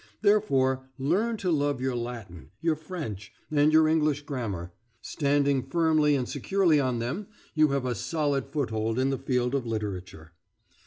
Therefore, learn to love your Latin, your French, and your English grammar; standing firmly and securely on them, you have a solid foothold in the field of literature....